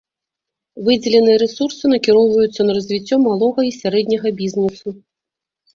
Выдзеленыя рэсурсы накіроўваюцца на развіццё малога і сярэдняга бізнэсу.